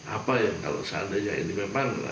apa yang kalau seandainya ini memang ada